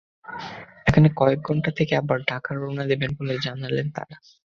এখানে কয়েক ঘণ্টা থেকে আবার ঢাকা রওনা দেবেন বলে জানালেন তাঁরা।